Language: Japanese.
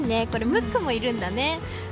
ムックもいるんだね。